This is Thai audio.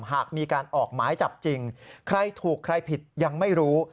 หากมีการออกหมายจับจริงใครถูกใครผิดยังไม่รู้